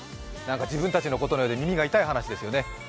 自分たちのことのようで耳が痛い話ですね。